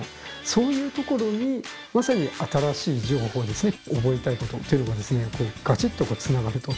そういう所にまさに新しい情報ですね覚えたいことというのがガチッとつながると。